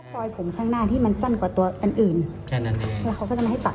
ปล่อยผมข้างหน้าที่มันสั้นกว่าตัวอันอื่นแค่นั้นเลยให้ตัด